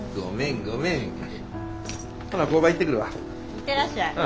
行ってらっしゃい。